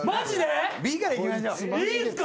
いいんすか？